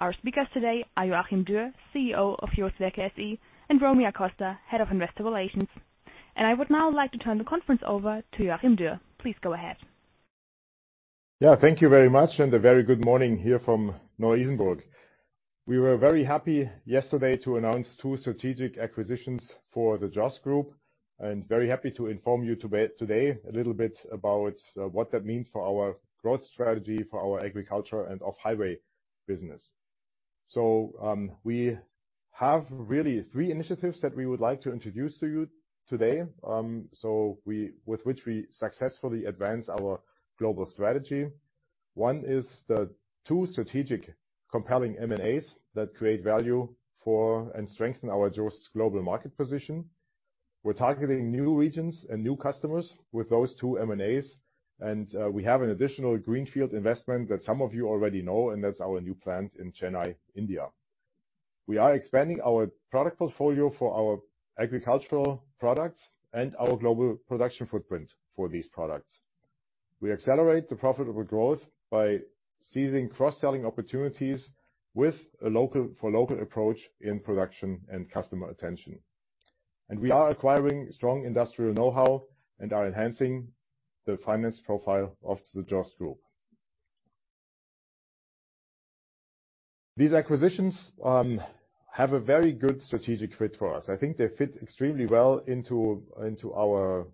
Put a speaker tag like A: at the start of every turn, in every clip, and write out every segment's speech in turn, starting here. A: Our speakers today are Joachim Dürr, CEO of JOST Werke SE, and Romy Acosta, Head of Investor Relations. And I would now like to turn the conference over to Joachim Dürr. Please go ahead.
B: Yeah, thank you very much, and a very good morning here from Neu-Isenburg. We were very happy yesterday to announce two strategic acquisitions for the JOST Group, and very happy to inform you today a little bit about what that means for our growth strategy, for our agriculture, and off-highway business. So we have really three initiatives that we would like to introduce to you today. With which we successfully advance our global strategy. One is the two strategic compelling M&As that create value for, and strengthen, our JOST's global market position. We're targeting new regions and new customers with those two M&As, and we have an additional greenfield investment that some of you already know, and that's our new plant in Chennai, India. We are expanding our product portfolio for our agricultural products and our global production footprint for these products. We accelerate the profitable growth by seizing cross-selling opportunities with a local-for-local approach in production and customer attention. And we are acquiring strong industrial know-how and are enhancing the financial profile of the JOST Group. These acquisitions have a very good strategic fit for us. I think they fit extremely well into our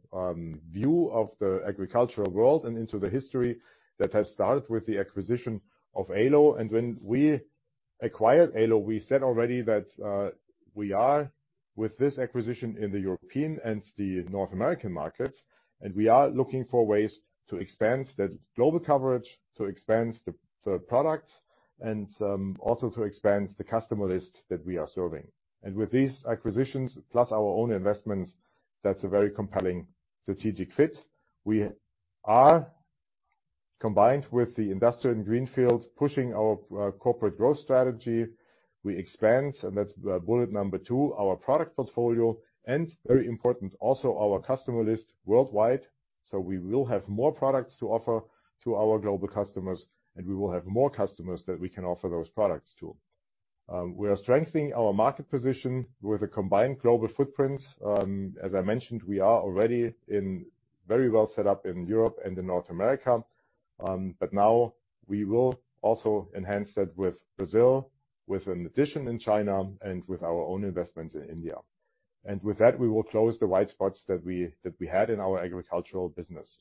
B: view of the agricultural world and into the history that has started with the acquisition of Ålö. And when we acquired Ålö, we said already that we are, with this acquisition, in the European and the North American markets, and we are looking for ways to expand the global coverage, to expand the products, and also to expand the customer list that we are serving. And with these acquisitions, plus our own investments, that's a very compelling strategic fit. We are, combined with the investor in greenfield, pushing our corporate growth strategy. We expand, and that's bullet number two, our product portfolio, and very important, also our customer list worldwide, so we will have more products to offer to our global customers, and we will have more customers that we can offer those products to. We are strengthening our market position with a combined global footprint. As I mentioned, we are already very well set up in Europe and in North America. But now we will also enhance that with Brazil, with an addition in China, and with our own investments in India. With that, we will close the white spots that we had in our agricultural business.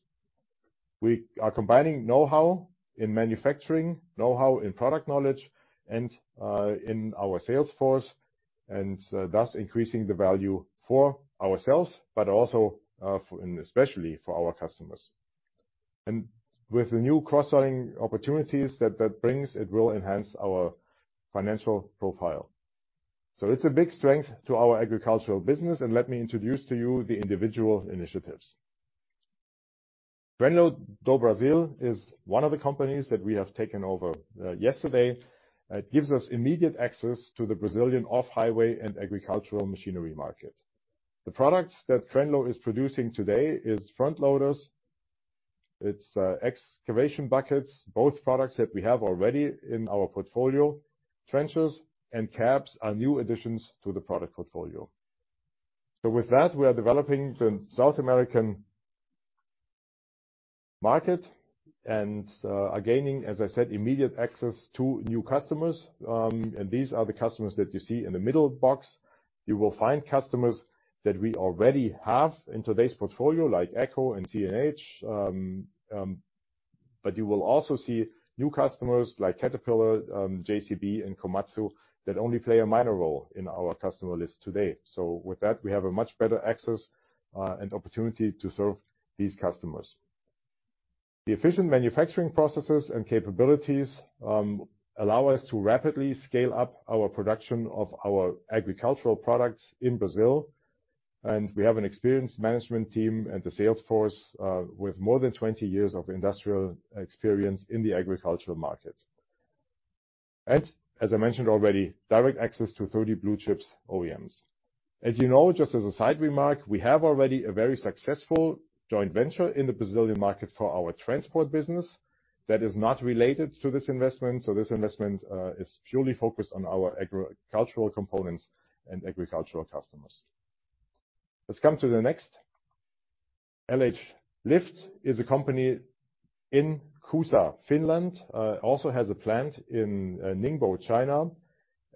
B: We are combining know-how in manufacturing, know-how in product knowledge, and in our sales force, and thus increasing the value for ourselves, but also and especially for our customers, and with the new cross-selling opportunities that that brings, it will enhance our financial profile, so it's a big strength to our agricultural business, and let me introduce to you the individual initiatives. Crenlo do Brasil is one of the companies that we have taken over yesterday. It gives us immediate access to the Brazilian off-highway and agricultural machinery market. The products that Crenlo is producing today is front loaders, it's excavation buckets, both products that we have already in our portfolio. Trenchers and cabs are new additions to the product portfolio, so with that, we are developing the South American market and are gaining, as I said, immediate access to new customers. And these are the customers that you see in the middle box. You will find customers that we already have in today's portfolio, like AGCO and CNH, but you will also see new customers like Caterpillar, JCB, and Komatsu, that only play a minor role in our customer list today. So with that, we have a much better access, and opportunity to serve these customers. The efficient manufacturing processes and capabilities allow us to rapidly scale up our production of our agricultural products in Brazil. And we have an experienced management team and a sales force, with more than 20 years of industrial experience in the agricultural market. And as I mentioned already, direct access to 30 blue-chips OEMs. As you know, just as a side remark, we have already a very successful joint venture in the Brazilian market for our transport business that is not related to this investment, so this investment is purely focused on our agricultural components and agricultural customers. Let's come to the next. LH Lift is a company in Kuusamo, Finland. It also has a plant in Ningbo, China,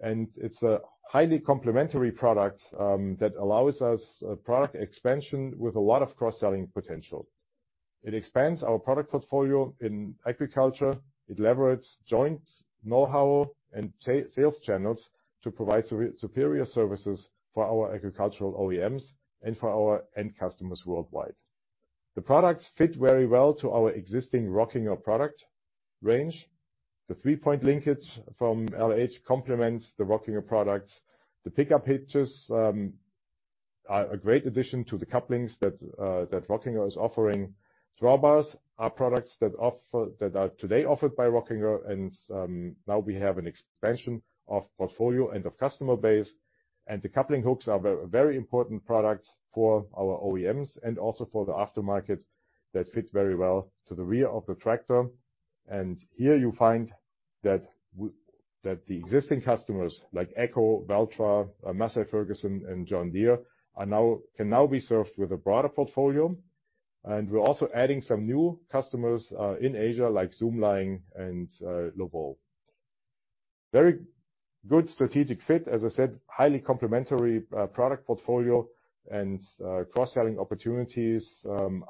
B: and it's a highly complementary product that allows us product expansion with a lot of cross-selling potential. It expands our product portfolio in agriculture. It leverages joint know-how and sales channels to provide superior services for our agricultural OEMs and for our end customers worldwide. The products fit very well to our existing ROCKINGER product range. The three-point linkage from LH complements the ROCKINGER products. The pick-up hitches are a great addition to the couplings that that ROCKINGER is offering. Drawbars are products that are today offered by ROCKINGER, and now we have an expansion of portfolio and of customer base. And the coupling hooks are a very important product for our OEMs and also for the aftermarket, that fit very well to the rear of the tractor. And here you find that that the existing customers, like AGCO, Valtra, Massey Ferguson, and John Deere, are now can now be served with a broader portfolio. And we're also adding some new customers in Asia, like Zoomlion and LOVOL. Very good strategic fit. As I said, highly complementary product portfolio and cross-selling opportunities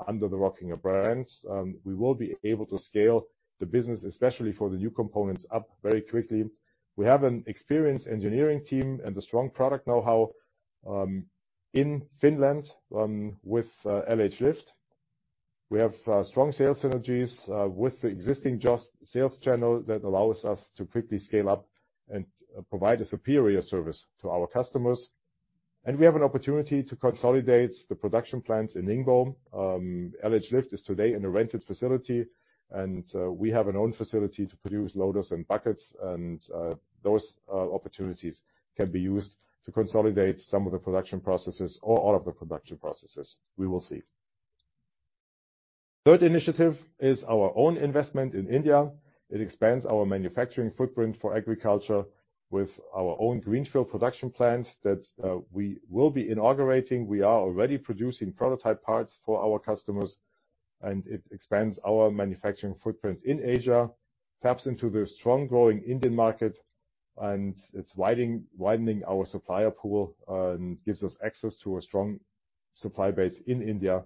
B: under the ROCKINGER brands. We will be able to scale the business, especially for the new components, up very quickly. We have an experienced engineering team and a strong product know-how in Finland with LH Lift. We have strong sales synergies with the existing JOST sales channel that allows us to quickly scale up and provide a superior service to our customers. And we have an opportunity to consolidate the production plants in Ningbo. LH Lift is today in a rented facility, and we have our own facility to produce loaders and buckets. And those opportunities can be used to consolidate some of the production processes or all of the production processes. We will see. Third initiative is our own investment in India. It expands our manufacturing footprint for agriculture with our own greenfield production plant that we will be inaugurating. We are already producing prototype parts for our customers, and it expands our manufacturing footprint in Asia, taps into the strong, growing Indian market, and it's widening our supplier pool, gives us access to a strong supply base in India,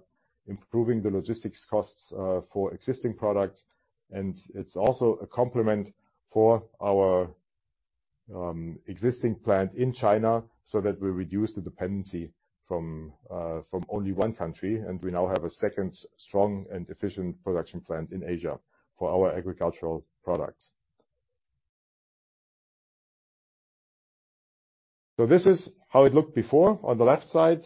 B: improving the logistics costs, for existing products. And it's also a complement for our existing plant in China, so that we reduce the dependency from only one country, and we now have a second strong and efficient production plant in Asia for our agricultural products. So this is how it looked before on the left side.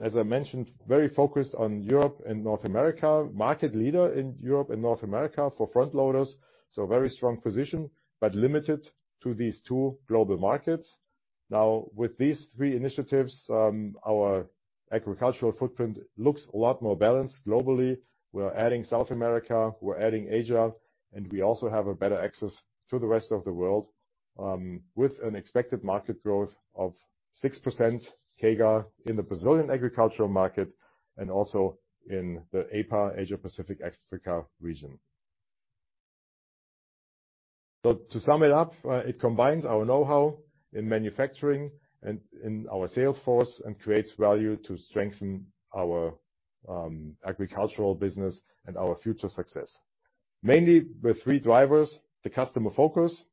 B: As I mentioned, very focused on Europe and North America. Market leader in Europe and North America for front loaders, so a very strong position, but limited to these two global markets. Now, with these three initiatives, our agricultural footprint looks a lot more balanced globally. We're adding South America, we're adding Asia, and we also have a better access to the rest of the world with an expected market growth of 6% CAGR in the Brazilian agricultural market and also in the APA, Asia Pacific Africa region. So to sum it up, it combines our know-how in manufacturing and in our sales force and creates value to strengthen our agricultural business and our future success. Mainly with three drivers: the customer focus,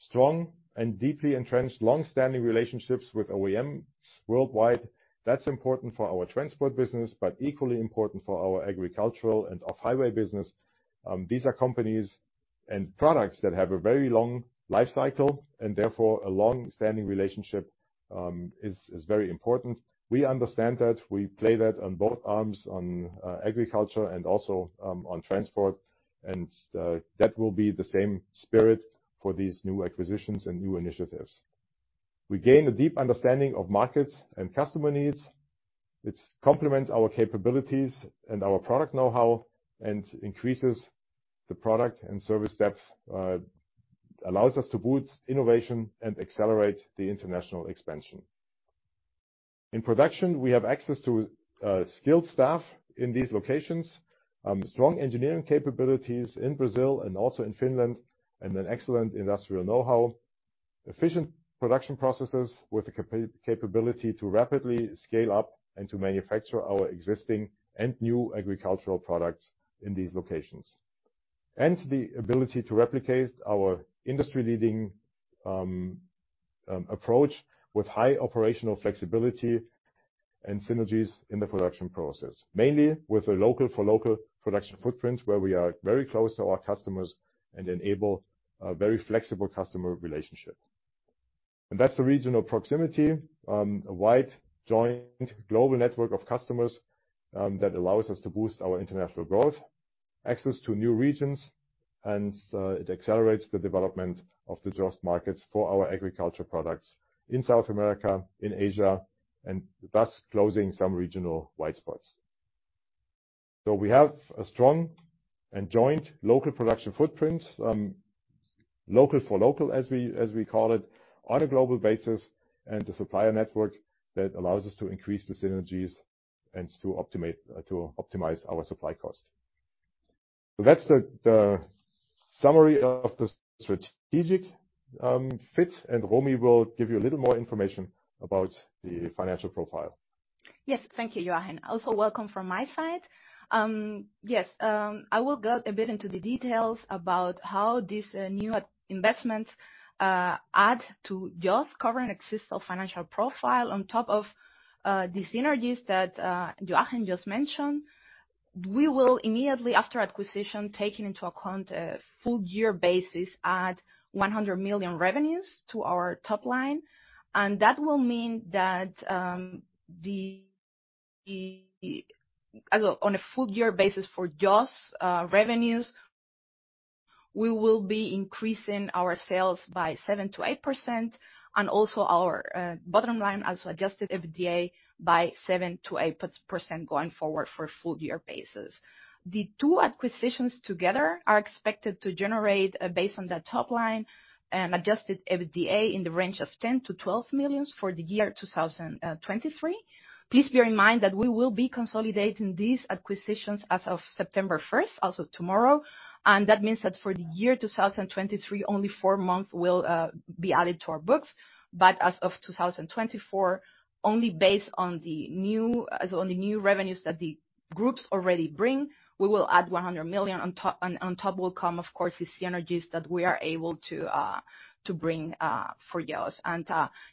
B: strong and deeply entrenched, long-standing relationships with OEMs worldwide. That's important for our transport business, but equally important for our agricultural and off-highway business. These are companies and products that have a very long life cycle, and therefore, a long-standing relationship is very important. We understand that. We play that on both arms, on agriculture and also on transport, and that will be the same spirit for these new acquisitions and new initiatives. We gain a deep understanding of markets and customer needs, which complements our capabilities and our product know-how and increases the product and service depth, allows us to boost innovation and accelerate the international expansion. In production, we have access to skilled staff in these locations, strong engineering capabilities in Brazil and also in Finland, and an excellent industrial know-how. Efficient production processes with the capability to rapidly scale up and to manufacture our existing and new agricultural products in these locations. And the ability to replicate our industry-leading approach with high operational flexibility and synergies in the production process, mainly with a local-for-local production footprint, where we are very close to our customers and enable a very flexible customer relationship. And that's the regional proximity, a wide joint global network of customers that allows us to boost our international growth, access to new regions, and it accelerates the development of the JOST markets for our agriculture products in South America, in Asia, and thus closing some regional white spots. So we have a strong and joint local production footprint, local-for-local, as we call it, on a global basis, and a supplier network that allows us to increase the synergies and to optimize our supply cost. So that's the summary of the strategic fit, and Romy will give you a little more information about the financial profile.
C: Yes, thank you, Joachim. Also, welcome from my side. Yes, I will go a bit into the details about how this new investment add to JOST's current existing financial profile. On top of the synergies that Joachim just mentioned, we will immediately, after acquisition, taking into account a full year basis, add 100 million revenues to our top line. And that will mean that. On a full year basis for JOST, revenues. We will be increasing our sales by 7%-8%, and also our bottom line, also Adjusted EBITDA by 7%-8% going forward for full year basis. The two acquisitions together are expected to generate, based on the top line, Adjusted EBITDA in the range of 10-12 million for the year 2023. Please bear in mind that we will be consolidating these acquisitions as of September 1st, also tomorrow, and that means that for the year 2023, only four months will be added to our books, but as of 2024, only based on the new, as on the new revenues that the groups already bring, we will add 100 million. On top will come, of course, the synergies that we are able to bring for JOST, and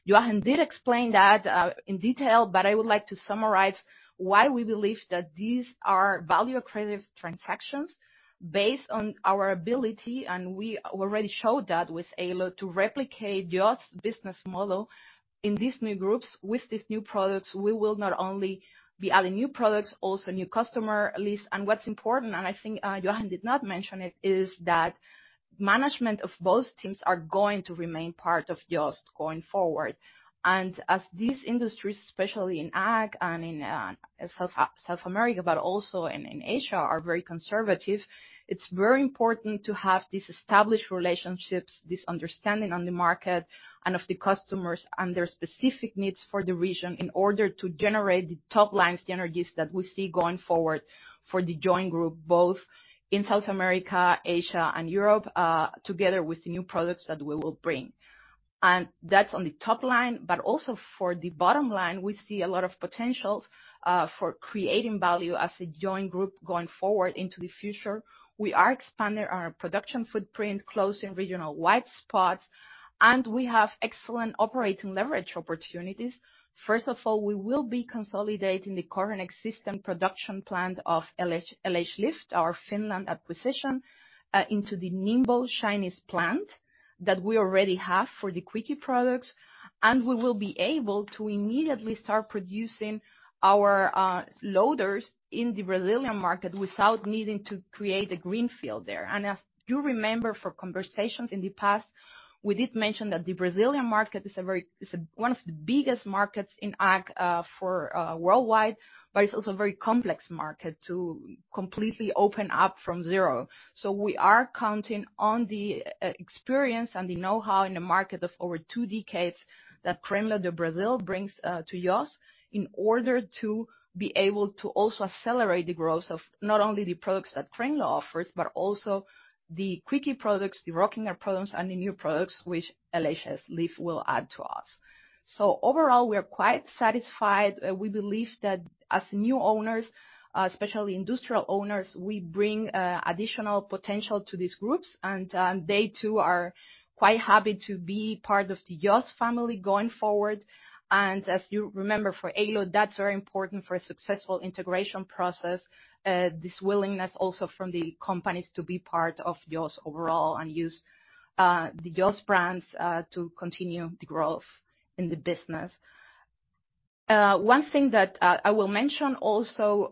C: Joachim did explain that in detail, but I would like to summarize why we believe that these are value-accretive transactions based on our ability, and we already showed that with Ålö, to replicate JOST's business model in these new groups. With these new products, we will not only be adding new products, also new customer list. And what's important, and I think, Joachim did not mention it, is that management of both teams are going to remain part of JOST going forward. And as these industries, especially in ag and in South America, but also in Asia, are very conservative, it's very important to have these established relationships, this understanding on the market and of the customers and their specific needs for the region, in order to generate the top-line synergies that we see going forward for the joint group, both in South America, Asia, and Europe, together with the new products that we will bring. And that's on the top line, but also for the bottom line, we see a lot of potentials for creating value as a joint group going forward into the future. We are expanding our production footprint, closing regional white spots, and we have excellent operating leverage opportunities. First of all, we will be consolidating the current existing production plant of LH, LH Lift, our Finland acquisition, into the Ningbo Chinese plant that we already have for the Quicke products. And we will be able to immediately start producing our loaders in the Brazilian market without needing to create a greenfield there. As you remember, from conversations in the past, we did mention that the Brazilian market is one of the biggest markets in ag for worldwide, but it's also a very complex market to completely open up from zero. So we are counting on the experience and the know-how in the market of over two decades that Crenlo do Brasil brings to JOST, in order to be able to also accelerate the growth of not only the products that Crenlo offers, but also the Quicke products, the ROCKINGER products, and the new products which LH Lift will add to us. So overall, we are quite satisfied. We believe that as new owners, especially industrial owners, we bring additional potential to these groups, and they, too, are quite happy to be part of the JOST family going forward. And as you remember, for Ålö, that's very important for a successful integration process, this willingness also from the companies to be part of JOST overall and use the JOST brands to continue the growth in the business. One thing that I will mention also,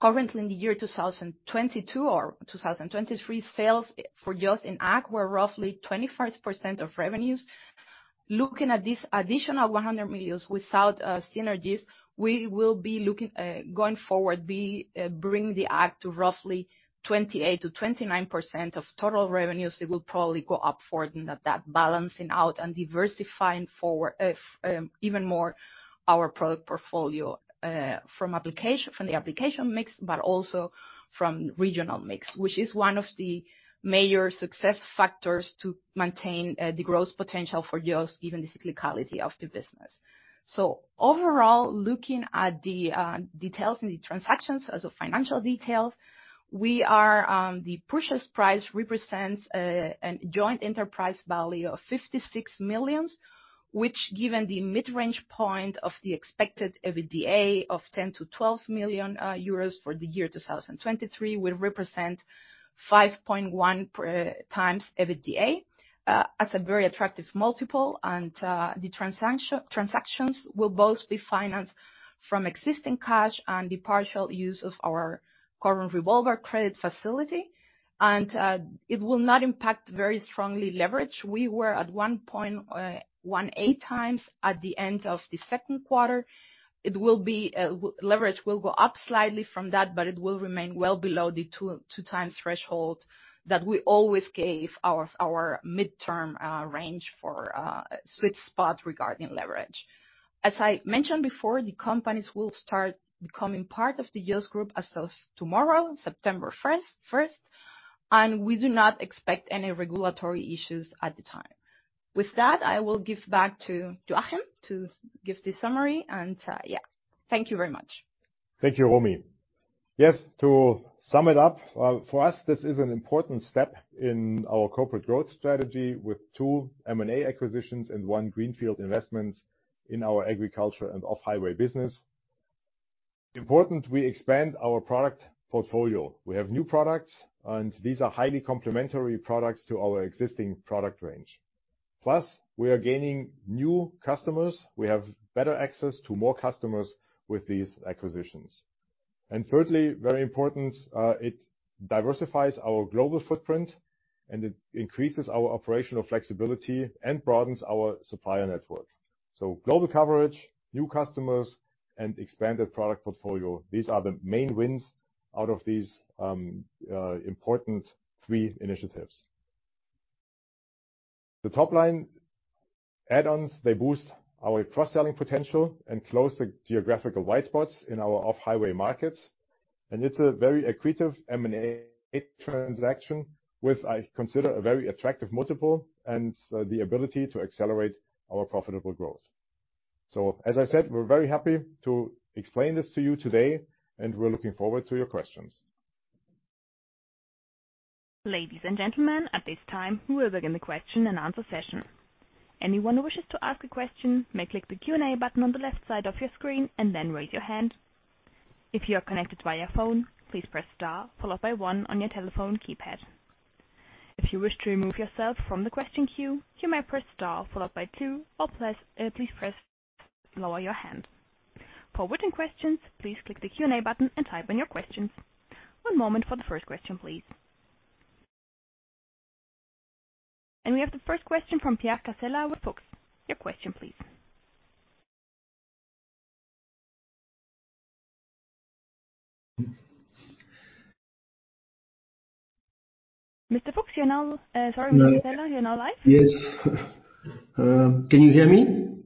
C: currently in the year 2022 or 2023, sales for JOST in ag were roughly 25% of revenues. Looking at this additional 100 million without synergies, we will be looking, going forward, bring the ag to roughly 28%-29% of total revenues. It will probably go up further than that, balancing out and diversifying forward even more our product portfolio from application, from the application mix, but also from regional mix, which is one of the major success factors to maintain the growth potential for JOST, given the cyclicality of the business. Overall, looking at the details in the transactions and financial details, we are. The purchase price represents a joint enterprise value of 56 million, which, given the mid-range point of the expected EBITDA of 10-12 million euros for the year 2023, will represent 5.1x EBITDA as a very attractive multiple. The transactions will both be financed from existing cash and the partial use of our current revolving credit facility. It will not impact very strongly leverage. We were at 1.18x at the end of the second quarter. Leverage will go up slightly from that, but it will remain well below the 2.2x threshold that we always gave our midterm range for sweet spot regarding leverage. As I mentioned before, the companies will start becoming part of the JOST group as of tomorrow, September 1st, and we do not expect any regulatory issues at the time. With that, I will give back to Joachim to give the summary and, yeah, thank you very much.
B: Thank you, Romy. Yes, to sum it up, for us, this is an important step in our corporate growth strategy with two M&A acquisitions and one greenfield investment in our agriculture and off-highway business. Important, we expand our product portfolio. We have new products, and these are highly complementary products to our existing product range. Plus, we are gaining new customers. We have better access to more customers with these acquisitions. And thirdly, very important, it diversifies our global footprint, and it increases our operational flexibility and broadens our supplier network. So global coverage, new customers, and expanded product portfolio, these are the main wins out of these important three initiatives. The top line add-ons, they boost our cross-selling potential and close the geographical white spots in our off-highway markets, and it's a very accretive M&A transaction with, I consider, a very attractive multiple and the ability to accelerate our profitable growth. So, as I said, we're very happy to explain this to you today, and we're looking forward to your questions.
A: Ladies and gentlemen, at this time, we will begin the question-and-answer session. Anyone who wishes to ask a question may click the Q&A button on the left side of your screen and then raise your hand. If you are connected via phone, please press star followed by one on your telephone keypad. If you wish to remove yourself from the question queue, you may press star followed by two, or press, please press lower your hand. For written questions, please click the Q&A button and type in your questions. One moment for the first question, please. We have the first question from Pierre Cassella with Fox. Your question, please. Mr. Fox, you're now, sorry, Mr. Cassella. Hello. You're now live. Yes. Can you hear me?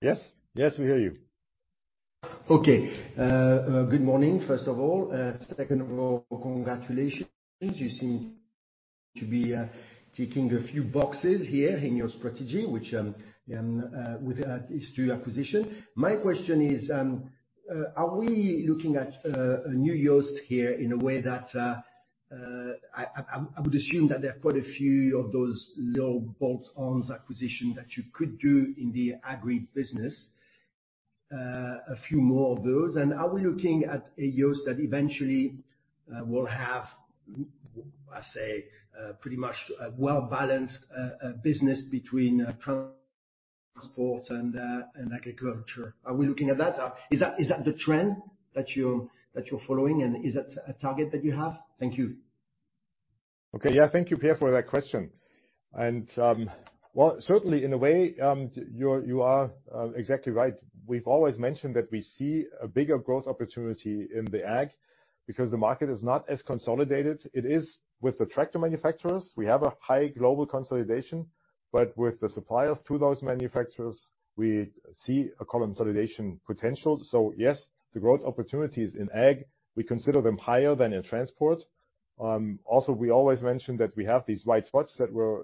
B: Yes. Yes, we hear you. Okay. Good morning, first of all. Second of all, congratulations. You seem to be ticking a few boxes here in your strategy, which with these two acquisitions. My question is, are we looking at a new JOST here in a way that I would assume that there are quite a few of those little bolt-on acquisitions that you could do in the agri business, a few more of those. And are we looking at a JOST that eventually will have, I say, pretty much a well-balanced business between transport and agriculture? Are we looking at that? Is that the trend that you are following, and is that a target that you have? Thank you. Okay. Yeah, thank you, Pierre, for that question. Well, certainly, in a way, you are exactly right. We've always mentioned that we see a bigger growth opportunity in the ag, because the market is not as consolidated. It is with the tractor manufacturers. We have a high global consolidation, but with the suppliers to those manufacturers, we see a consolidation potential. Yes, the growth opportunities in ag, we consider them higher than in transport. Also, we always mention that we have these white spots that we're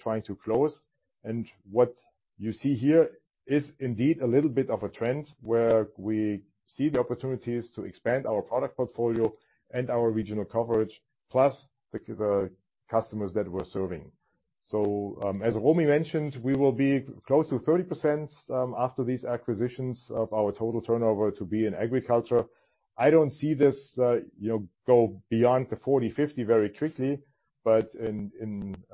B: trying to close, and what you see here is indeed a little bit of a trend, where we see the opportunities to expand our product portfolio and our regional coverage, plus the customers that we're serving. As Romy mentioned, we will be close to 30% after these acquisitions of our total turnover to be in agriculture. I don't see this, you know, go beyond the 40-50 very quickly, but in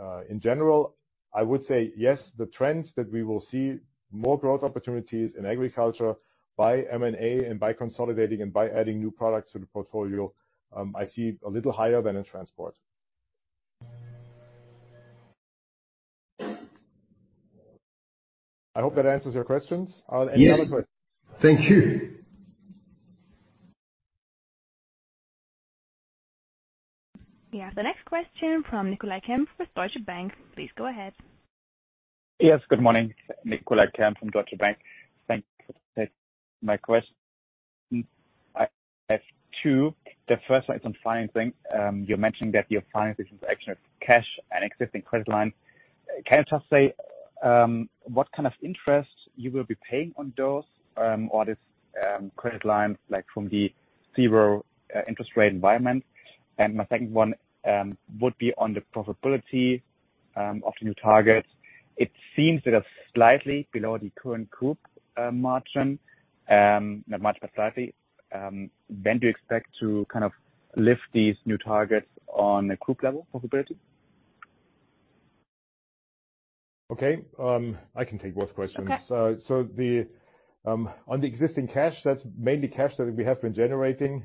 B: general, I would say yes, the trends that we will see more growth opportunities in agriculture by M&A and by consolidating and by adding new products to the portfolio. I see a little higher than in transport. I hope that answers your questions. Yes. Are there any other questions? Thank you.
A: We have the next question from Nikolai Kempf with Deutsche Bank. Please go ahead.
D: Yes, good morning. Nikolai Kempf from Deutsche Bank. Thank you. My question, I have two. The first one is on financing. You're mentioning that your financing is actually cash and existing credit line. Can you just say, what kind of interest you will be paying on those, or this, credit line, like, from the zero, interest rate environment? And my second one, would be on the profitability, of the new targets. It seems that are slightly below the current group, margin, not much but slightly. When do you expect to kind of lift these new targets on a group level profitability?
B: Okay, I can take both questions.
C: Okay.
B: On the existing cash, that's mainly cash that we have been generating,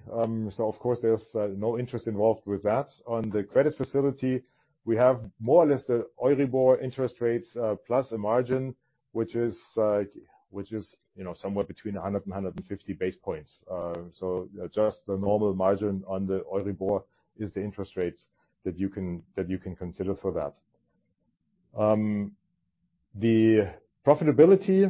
B: so of course, there's no interest involved with that. On the credit facility, we have more or less the EURIBOR interest rates, plus a margin, which is, you know, somewhere between 100 and 150 basis points. Just the normal margin on the EURIBOR is the interest rates that you can consider for that. The profitability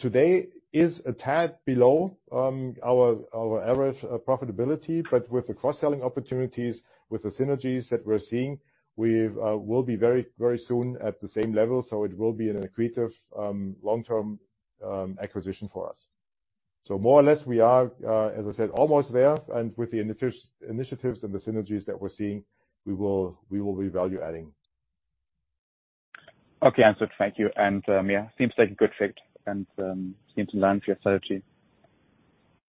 B: today is a tad below our average profitability, but with the cross-selling opportunities, with the synergies that we're seeing, we will be very, very soon at the same level, so it will be an accretive long-term acquisition for us. More or less we are, as I said, almost there, and with the initiatives and the synergies that we're seeing, we will be value adding.
D: Okay, answered. Thank you and yeah, seems like a good fit and seem to align with your strategy.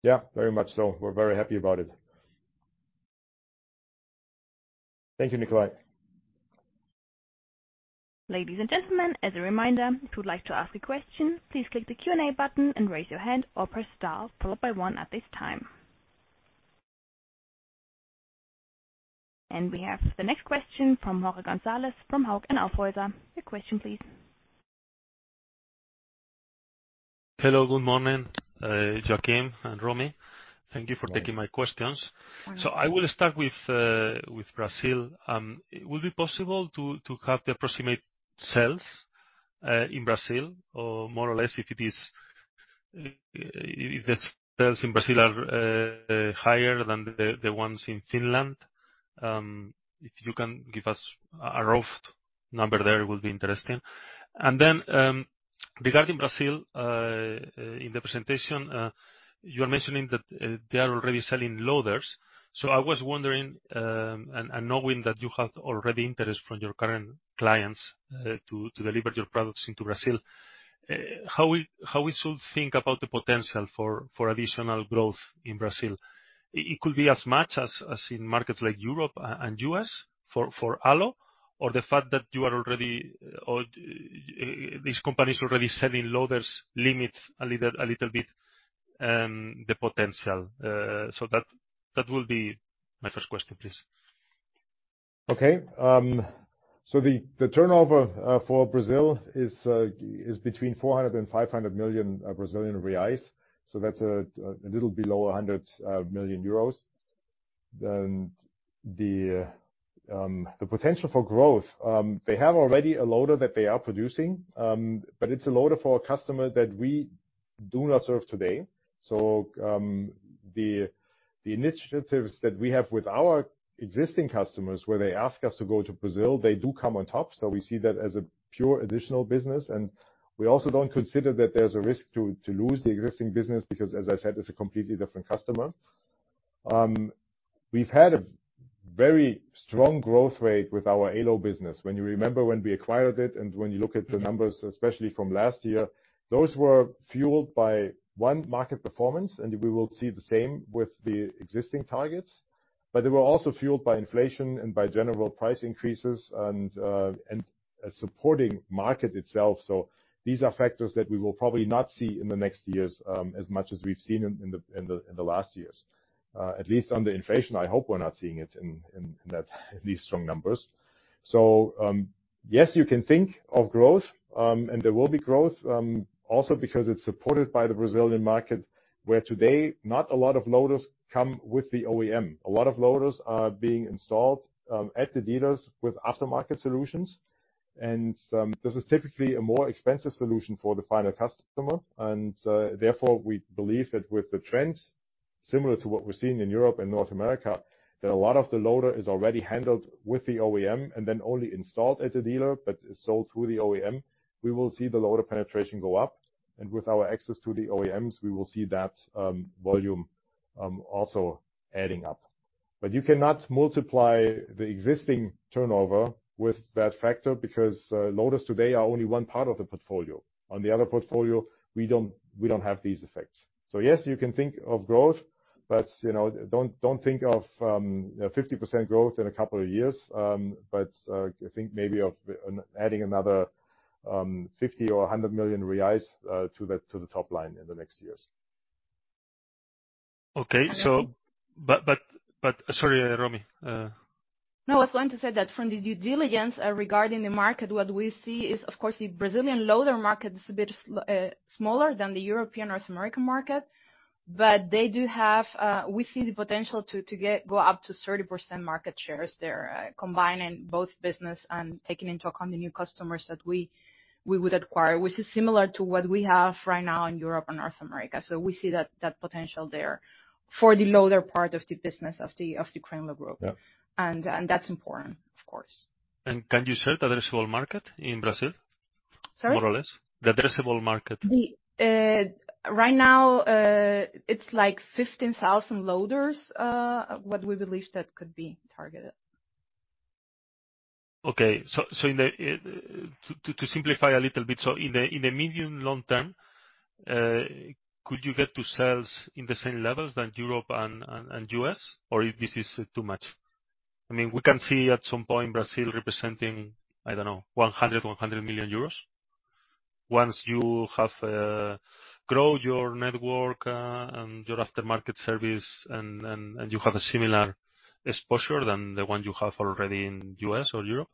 B: Yeah, very much so. We're very happy about it. Thank you, Nikolai.
A: Ladies and gentlemen, as a reminder, if you would like to ask a question, please click the Q&A button and raise your hand or press star followed by one at this time. And we have the next question from Jorge Gonzalez from Hauck & Aufhäuser. Your question, please.
E: Hello, good morning, Joachim and Romy. Thank you for taking my questions. So I will start with Brazil. It will be possible to have the approximate sales in Brazil, or more or less, if it is if the sales in Brazil are higher than the ones in Finland? If you can give us a rough number there, it will be interesting. And then, regarding Brazil, in the presentation, you are mentioning that they are already selling loaders. So I was wondering, and knowing that you have already interest from your current clients to deliver your products into Brazil, how we should think about the potential for additional growth in Brazil? It could be as much as, as in markets like Europe and U.S., for Ålö, or the fact that you are already, or these companies already selling loaders limits a little bit the potential. So that will be my first question, please.
B: Okay. So the turnover for Brazil is between 400 and 500 million Brazilian reais. So that's a little below 100 million euros. And the potential for growth, they have already a loader that they are producing, but it's a loader for a customer that we do not serve today, so the initiatives that we have with our existing customers, where they ask us to go to Brazil, they do come on top, so we see that as a pure additional business, and we also don't consider that there's a risk to lose the existing business, because, as I said, it's a completely different customer, we've had a very strong growth rate with our Ålö business. When you remember when we acquired it, and when you look at the numbers, especially from last year, those were fueled by, one, market performance, and we will see the same with the existing targets, but they were also fueled by inflation and by general price increases and a supporting market itself, so these are factors that we will probably not see in the next years as much as we've seen in the last years, at least on the inflation, I hope we're not seeing it in that these strong numbers, so yes, you can think of growth, and there will be growth, also because it's supported by the Brazilian market, where today, not a lot of loaders come with the OEM. A lot of loaders are being installed at the dealers with aftermarket solutions. This is typically a more expensive solution for the final customer. Therefore, we believe that with the trends, similar to what we're seeing in Europe and North America, that a lot of the loader is already handled with the OEM and then only installed at the dealer, but it's sold through the OEM. We will see the loader penetration go up, and with our access to the OEMs, we will see that volume also adding up. You cannot multiply the existing turnover with that factor because loaders today are only one part of the portfolio. On the other portfolio, we don't have these effects. Yes, you can think of growth, but you know, don't think of 50% growth in a couple of years. But, think maybe of adding another 50 million or 100 million reais to the top line in the next years.
E: Okay. So, But, Sorry, Romy.
C: No, I was going to say that from the due diligence regarding the market, what we see is, of course, the Brazilian loader market is a bit smaller than the European, North American market. But they do have. We see the potential to go up to 30% market shares there, combining both business and taking into account the new customers that we would acquire, which is similar to what we have right now in Europe and North America. So we see that potential there for the loader part of the business of the Crenlo Group.
B: Yeah.
C: That's important, of course.
E: Can you state the addressable market in Brazil?
C: Sorry?
E: More or less. The addressable market.
C: Right now, it's like 15,000 loaders, what we believe that could be targeted.
E: To simplify a little bit, in the medium, long term, could you get to sales in the same levels than Europe and U.S., or if this is too much? I mean, we can see at some point Brazil representing, I don't know, 100 million euros? Once you have grow your network and your aftermarket service, and you have a similar exposure than the one you have already in U.S. or Europe.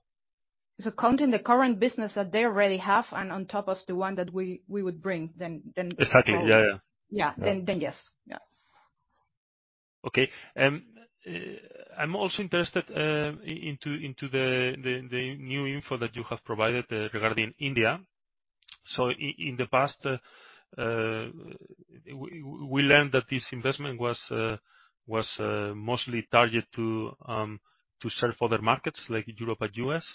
C: So counting the current business that they already have and on top of the one that we would bring, then-
E: Exactly. Yeah, yeah.
C: Yeah. Then, yes. Yeah.
E: Okay, and I'm also interested in the new info that you have provided regarding India. So in the past, we learned that this investment was mostly targeted to serve other markets like Europe and U.S.,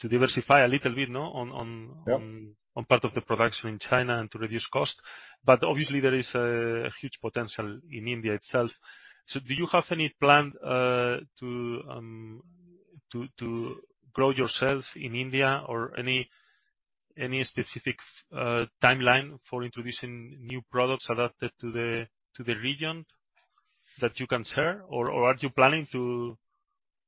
E: to diversify a little bit, no, on, on-
B: Yeah...
E: on part of the production in China and to reduce cost. But obviously, there is a huge potential in India itself. So do you have any plan to grow your sales in India or any specific timeline for introducing new products adapted to the region that you can share? Or are you planning to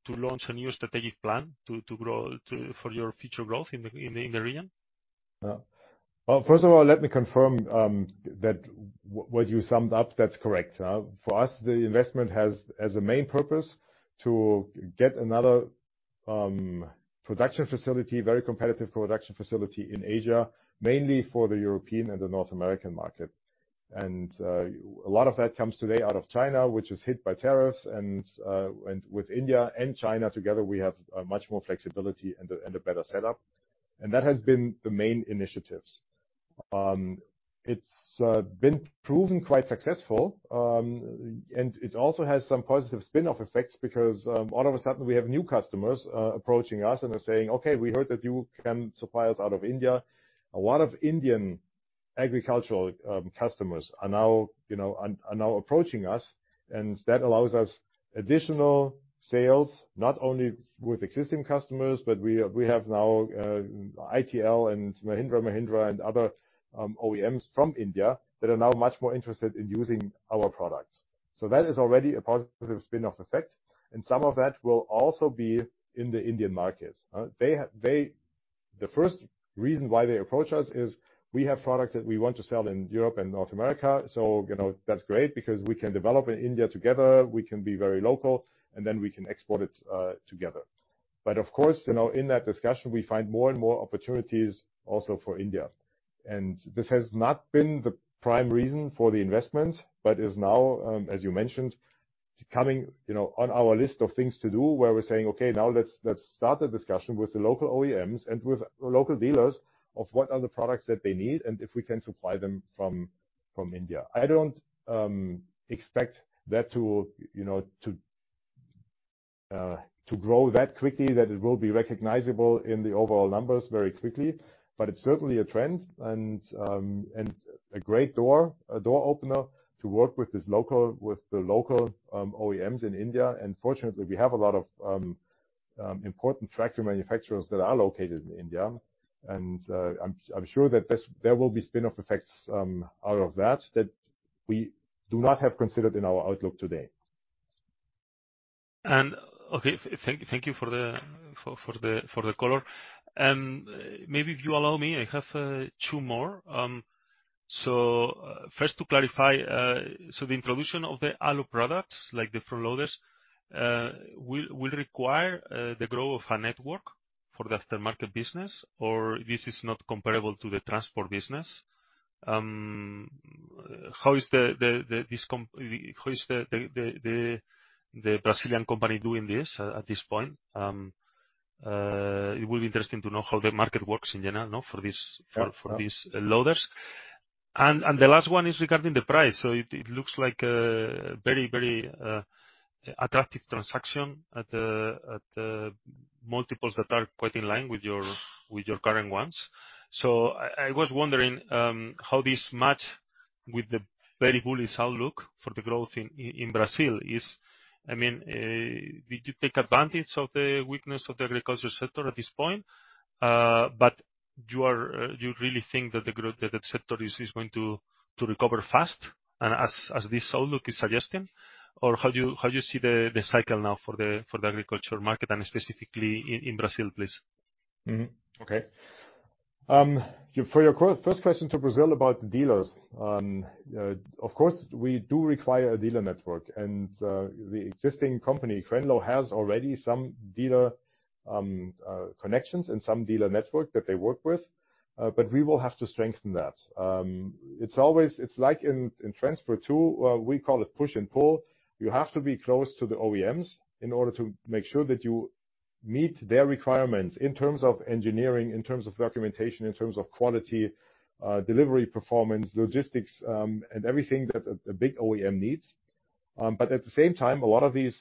E: launch a new strategic plan to grow for your future growth in the region?
B: Well, first of all, let me confirm that what you summed up, that's correct. For us, the investment has, as a main purpose, to get another production facility, very competitive production facility in Asia, mainly for the European and the North American market, and a lot of that comes today out of China, which is hit by tariffs, and with India and China together, we have much more flexibility and a better setup, and that has been the main initiatives. It's been proven quite successful. And it also has some positive spin-off effects because, all of a sudden, we have new customers approaching us, and they're saying, "Okay, we heard that you can supply us out of India." A lot of Indian agricultural customers are now, you know, approaching us, and that allows us additional sales, not only with existing customers, but we have now ITL and Mahindra & Mahindra, and other OEMs from India that are now much more interested in using our products. So that is already a positive spin-off effect, and some of that will also be in the Indian market. They the first reason why they approach us is, we have products that we want to sell in Europe and North America, so, you know, that's great, because we can develop in India together, we can be very local, and then we can export it together. But of course, you know, in that discussion, we find more and more opportunities also for India, and this has not been the prime reason for the investment but is now, as you mentioned, coming, you know, on our list of things to do, where we're saying, "Okay, now let's start a discussion with the local OEMs and with local dealers of what are the products that they need and if we can supply them from India." I don't expect that to, you know, to grow that quickly, that it will be recognizable in the overall numbers very quickly, but it's certainly a trend and a great door, a door opener to work with the local OEMs in India. Fortunately, we have a lot of important tractor manufacturers that are located in India, and I'm sure that there will be spin-off effects out of that that we do not have considered in our outlook today.
E: Okay, thank you for the color. Maybe if you allow me, I have two more. First to clarify, the introduction of the Ålö products, like the front loaders, will require the growth of a network for the aftermarket business, or this is not comparable to the transport business? How is the Brazilian company doing this at this point? It will be interesting to know how the market works in general for these for these loaders. And the last one is regarding the price. So it looks like a very attractive transaction at the multiples that are quite in line with your current ones. So I was wondering how this match with the very bullish outlook for the growth in Brazil is. I mean, did you take advantage of the weakness of the agriculture sector at this point, but you really think that the growth, that sector is going to recover fast, and as this outlook is suggesting? Or how do you see the cycle now for the agriculture market and specifically in Brazil, please?
B: Okay. For your first question to Brazil about dealers, of course, we do require a dealer network, and the existing company, Crenlo, has already some dealer connections and some dealer network that they work with, but we will have to strengthen that. It's always, it's like in transfer, too, we call it push and pull. You have to be close to the OEMs in order to make sure that you meet their requirements in terms of engineering, in terms of documentation, in terms of quality, delivery, performance, logistics, and everything that a big OEM needs. But at the same time, a lot of these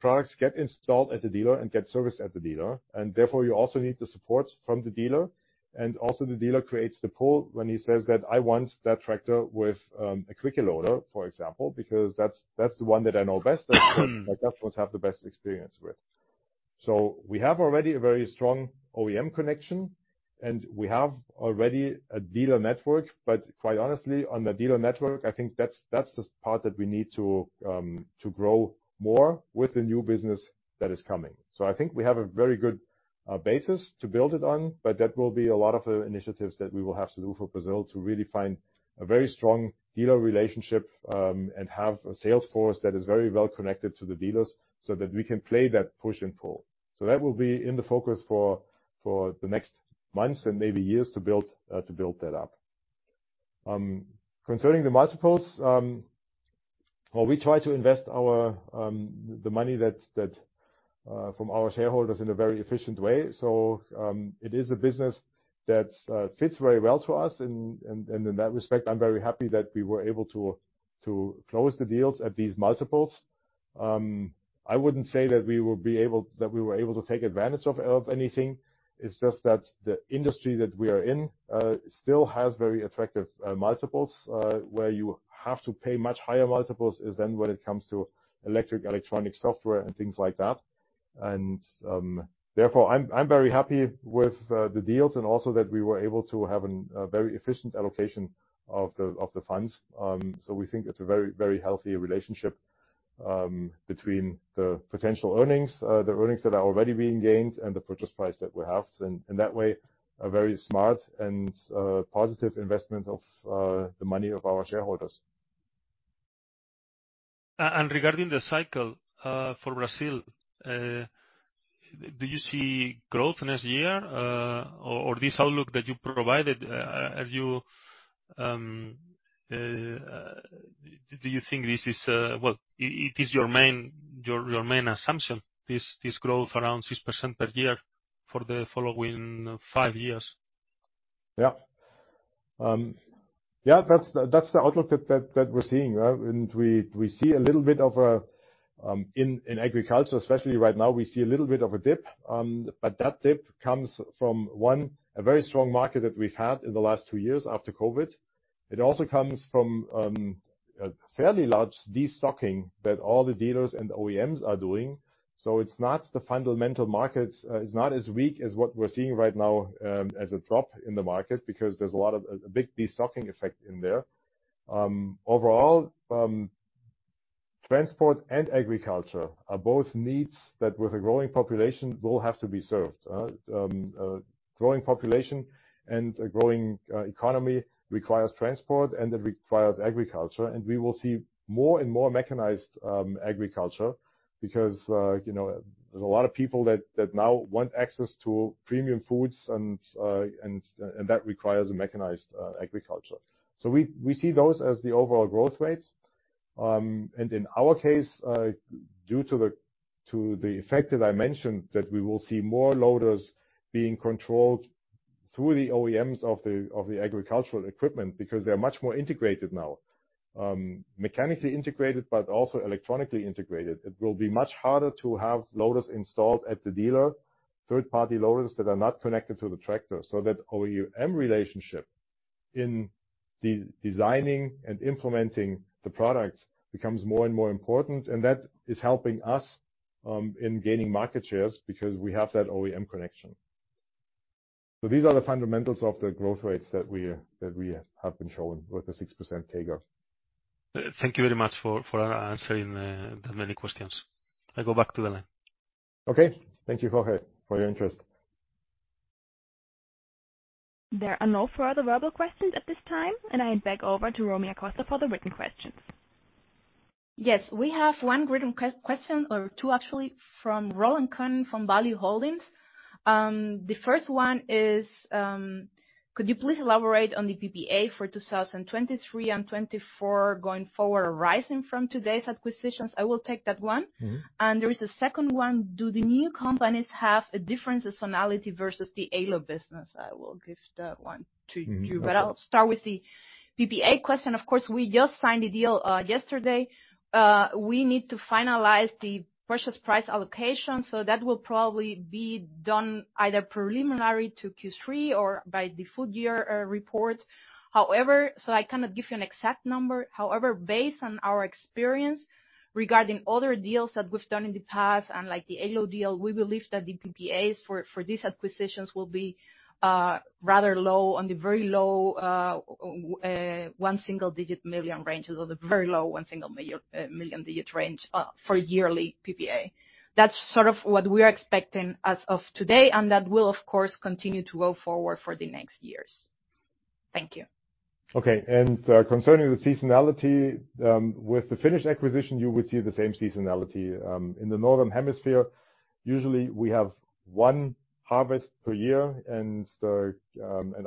B: products get installed at the dealer and get serviced at the dealer, and therefore, you also need the support from the dealer. And also, the dealer creates the pull when he says that, "I want that tractor with a Quicke loader," for example, "because that's the one that I know best," "and my customers have the best experience with." So we have already a very strong OEM connection, and we have already a dealer network. But quite honestly, on the dealer network, I think that's the part that we need to grow more with the new business that is coming. So I think we have a very good basis to build it on, but that will be a lot of initiatives that we will have to do for Brazil to really find a very strong dealer relationship, and have a sales force that is very well connected to the dealers so that we can play that push and pull. So that will be in the focus for the next months and maybe years to build that up. Concerning the multiples, well, we try to invest the money from our shareholders in a very efficient way. So it is a business that fits very well to us, and in that respect, I'm very happy that we were able to close the deals at these multiples. I wouldn't say that we were able to take advantage of anything. It's just that the industry that we are in still has very attractive multiples. Where you have to pay much higher multiples is then when it comes to electric, electronic, software, and things like that. Therefore, I'm very happy with the deals, and also that we were able to have a very efficient allocation of the funds. So we think it's a very, very healthy relationship between the potential earnings, the earnings that are already being gained, and the purchase price that we have. In that way, a very smart and positive investment of the money of our shareholders.
E: And regarding the cycle for Brazil, do you see growth next year, or this outlook that you provided, are you, do you think this is... Well, it is your main assumption, this growth around 6% per year for the following five years?
B: Yeah. Yeah, that's the outlook that we're seeing, right? And we see a little bit of a... In agriculture, especially right now, we see a little bit of a dip. But that dip comes from one, a very strong market that we've had in the last two years after COVID. It also comes from a fairly large de-stocking that all the dealers and OEMs are doing. So it's not the fundamental markets. It's not as weak as what we're seeing right now as a drop in the market, because there's a lot of a big de-stocking effect in there. Overall, transport and agriculture are both needs that, with a growing population, will have to be served. Growing population and a growing economy requires transport, and it requires agriculture, and we will see more and more mechanized agriculture because, you know, there's a lot of people that now want access to premium foods, and that requires a mechanized agriculture so we see those as the overall growth rates, and in our case, due to the effect that I mentioned, that we will see more loaders being controlled through the OEMs of the agricultural equipment because they're much more integrated now, mechanically integrated, but also electronically integrated. It will be much harder to have loaders installed at the dealer, third-party loaders that are not connected to the tractor, so that OEM relationship in the designing and implementing the product becomes more and more important, and that is helping us in gaining market shares, because we have that OEM connection. So these are the fundamentals of the growth rates that we have been showing with the 6% CAGR.
E: Thank you very much for answering the many questions. I go back to the line.
B: Okay. Thank you, Jorge, for your interest.
A: There are no further verbal questions at this time, and I hand back over to Romy Acosta for the written questions.
C: Yes, we have one written question, or two, actually, from Roland Könen, from Value Holdings. The first one is: "Could you please elaborate on the PPA for 2023 and 2024 going forward, arising from today's acquisitions?" I will take that one.
B: Mm-hmm.
C: There is a second one: "Do the new companies have a different seasonality versus the Ålö business?" I will give that one to you.
B: Okay.
C: But I'll start with the PPA question. Of course, we just signed the deal yesterday. We need to finalize the purchase price allocation, so that will probably be done either preliminary to Q3 or by the full-year report. However. So I cannot give you an exact number. However, based on our experience regarding other deals that we've done in the past, and like the Ålö deal, we believe that the PPAs for these acquisitions will be rather low, on the very low one single-digit million range for yearly PPA. That's sort of what we are expecting as of today, and that will, of course, continue to go forward for the next years. Thank you.
B: Okay. And, concerning the seasonality, with the Finnish acquisition, you would see the same seasonality. In the Northern Hemisphere, usually we have one harvest per year, and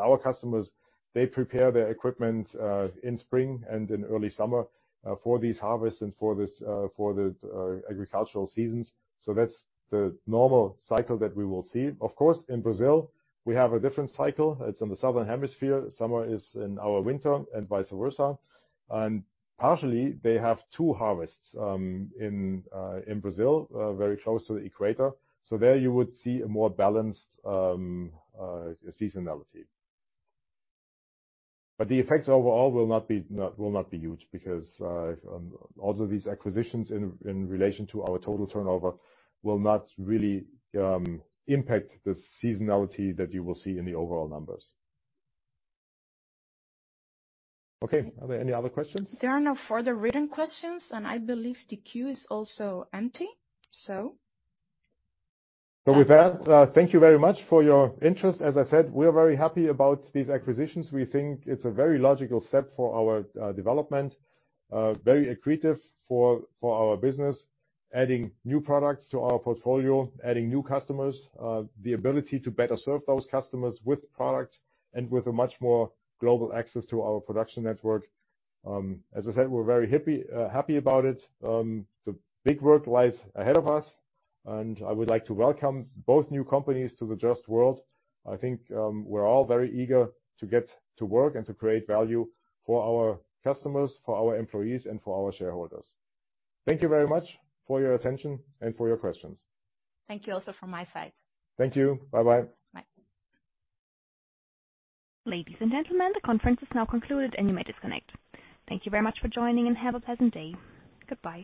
B: our customers, they prepare their equipment, in spring and in early summer, for these harvests and for the agricultural seasons. So that's the normal cycle that we will see. Of course, in Brazil, we have a different cycle. It's in the Southern Hemisphere. Summer is in our winter, and vice versa. And partially, they have two harvests, in Brazil, very close to the equator, so there you would see a more balanced seasonality. But the effects overall will not be huge because all of these acquisitions in relation to our total turnover will not really impact the seasonality that you will see in the overall numbers. Okay. Are there any other questions?
C: There are no further written questions, and I believe the queue is also empty, so.
B: So with that, thank you very much for your interest. As I said, we are very happy about these acquisitions. We think it's a very logical step for our development, very accretive for our business, adding new products to our portfolio, adding new customers, the ability to better serve those customers with products and with a much more global access to our production network. As I said, we're very happy, happy about it. The big work lies ahead of us, and I would like to welcome both new companies to the JOST world. I think, we're all very eager to get to work and to create value for our customers, for our employees, and for our shareholders. Thank you very much for your attention and for your questions.
C: Thank you also from my side.
B: Thank you. Bye-bye.
C: Bye.
A: Ladies and gentlemen, the conference is now concluded, and you may disconnect. Thank you very much for joining, and have a pleasant day. Goodbye.